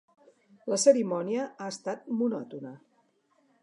La cerimònia ha estat monòtona.